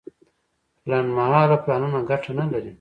لنډمهاله پلانونه ګټه نه لري.